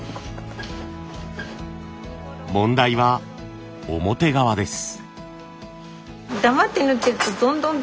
問題は表側です。